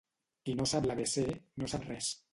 Qui no sap l'abecé no sap res.